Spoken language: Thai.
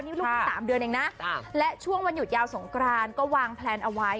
นี่ลูกเพิ่ง๓เดือนเองนะและช่วงวันหยุดยาวสงกรานก็วางแพลนเอาไว้